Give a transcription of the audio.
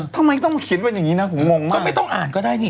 ทำไมต้องเขียนเป็นอย่างนี้นะผมงงมากก็ไม่ต้องอ่านก็ได้นี่